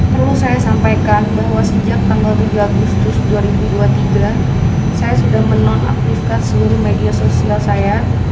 perlu saya sampaikan bahwa sejak tanggal tujuh agustus dua ribu dua puluh tiga saya sudah menonaktifkan seluruh media sosial saya